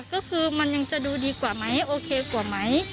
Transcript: ก็คือมันยังจะดูดีกว่าไหมโอเคกว่าไหม